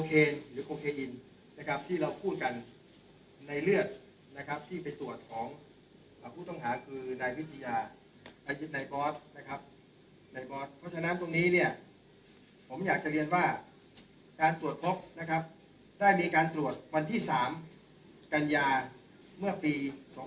โคเคนหรือโคเคอินนะครับที่เราพูดกันในเลือดนะครับที่ไปตรวจของผู้ต้องหาคือในวิทยาในบอสนะครับในบอสเพราะฉะนั้นตรงนี้เนี่ยผมอยากจะเรียนว่าการตรวจป๊อปนะครับได้มีการตรวจวันที่๓กันยาเมื่อปี๒๕๕๕